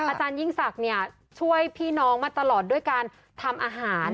อาจารยิ่งศักดิ์ช่วยพี่น้องมาตลอดด้วยการทำอาหาร